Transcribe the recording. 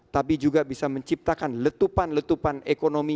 tapi juga bisa menciptakan letupan letupan ekonomi